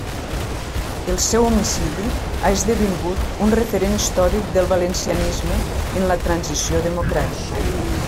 El seu homicidi ha esdevingut un referent històric del valencianisme en la transició democràtica.